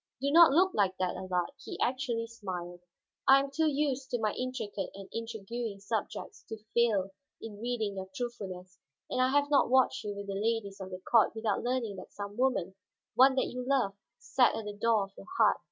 Do not look like that, Allard;" he actually smiled. "I am too used to my intricate and intriguing subjects to fail in reading your truthfulness. And I have not watched you with the ladies of the court without learning that some woman, one that you loved, sat at the door of your heart."